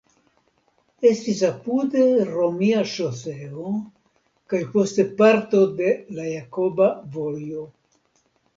Estis apude romia ŝoseo kaj poste parto de la Jakoba Vojo.